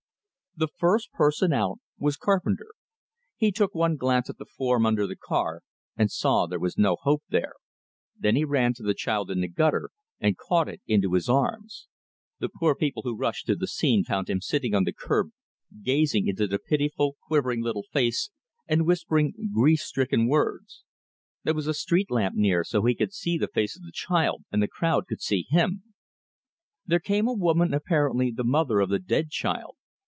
The first person out was Carpenter. He took one glance at the form under the car, and saw there was no hope there; then he ran to the child in the gutter and caught it into his arms. The poor people who rushed to the scene found him sitting on the curb, gazing into the pitiful, quivering little face, and whispering grief stricken words. There was a street lamp near, so he could see the face of the child, and the crowd could see him. There came a woman, apparently the mother of the dead child.